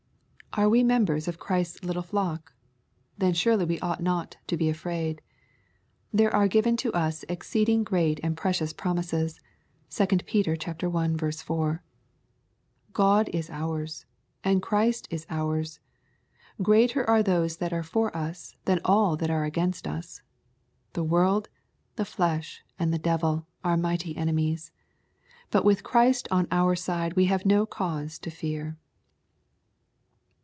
Are we membors of Christ's little flock ? Then surely we ought not to be afraid. There are given to us ex ceeding great and precious promises. (2 Pet. i 4.) God is ours, and Christ is ours. Greater are those that are for us than all that are against ns. The world, the flesh, and the devil, are mighty enemies. But with Christ on our side we have no cause to fear.